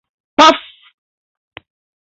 Pafu!